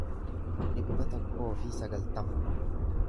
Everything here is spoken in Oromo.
dhibba tokkoo fi sagaltama